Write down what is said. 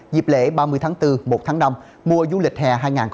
dịp lễ ba mươi tháng bốn một tháng năm mùa du lịch hè hai nghìn hai mươi bốn